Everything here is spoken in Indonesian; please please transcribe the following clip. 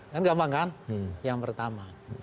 kan gampang kan yang pertama